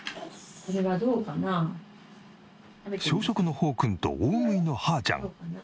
小食のホーくんと大食いのハーちゃん。